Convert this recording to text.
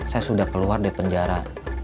saya sudah keluar dari penjara